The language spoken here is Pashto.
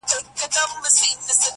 o خپل عېب د ولو منځ دئ!